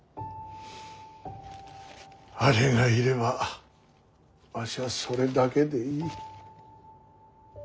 あれがいればわしはそれだけでいい。